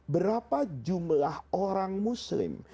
berapa jumlah orang muslim